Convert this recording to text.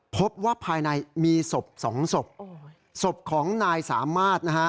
พบว่าภายในมีศพสองศพศพของนายสามารถนะฮะ